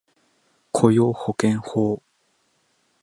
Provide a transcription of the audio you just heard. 雇用保険法